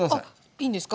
いいんですか？